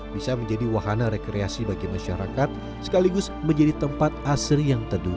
bisa menjadi wahana rekreasi bagi masyarakat sekaligus menjadi tempat asri yang teduh